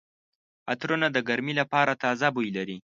عطرونه د ګرمۍ لپاره تازه بوی لري.